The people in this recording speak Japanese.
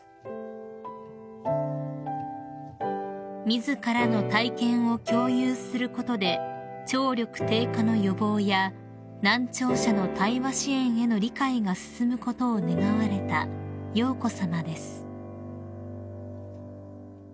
［自らの体験を共有することで聴力低下の予防や難聴者の対話支援への理解が進むことを願われた瑶子さまです］